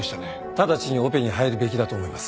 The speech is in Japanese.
直ちにオペに入るべきだと思います。